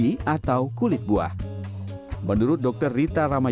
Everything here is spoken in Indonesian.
inkas bahwa alkuanun nyari nikah bukan dua jenis jenis minyak